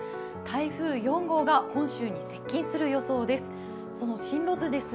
台風４号が本州に接近する予想です。